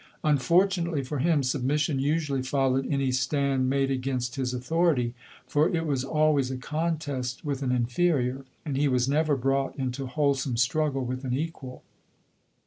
Unfortunately for him, submission usually fol lowed any stand made against his authority, for lodori:. 75 it was always a contest with an inferior, and he was never brought into wholesome struggle with an equal.